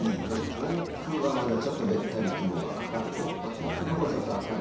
上空はまだちょっとべったり雲がかかっている。